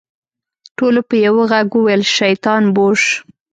ټولو په يوه ږغ وويل شيطان بوش.